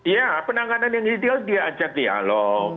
ya penanganan yang ideal dia ajar dialog